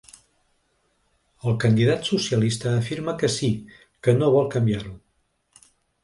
El candidat socialista afirma que sí, que no vol canviar-ho.